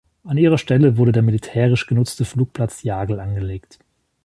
An ihrer Stelle wurde der militärisch genutzte Flugplatz Jagel angelegt.